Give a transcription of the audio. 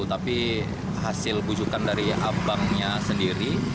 tapi hasil bujukan dari abangnya sendiri